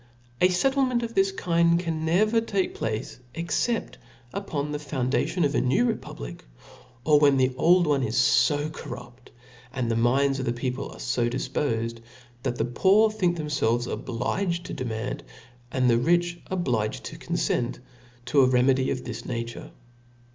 A fettlcmcnt of this kind can never take place but upon the foundation of a new republic ; or when the old one is fo corrupt^ and the minds of the people are fo difpofed, that the poor think themfelves obliged to demand^ and the rich obliged to confent to, a renfiedy of this nature.